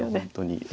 本当に。